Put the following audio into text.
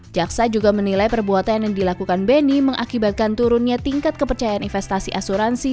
jaksa juga menilai perbuatan yang dilakukan benny mengakibatkan turunnya tingkat kepercayaan investasi asuransi